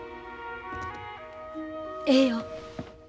ええよ。